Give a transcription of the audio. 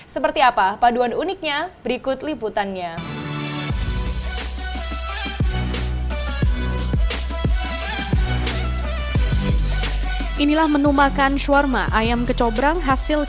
seperti apa paduan uniknya berikut liputannya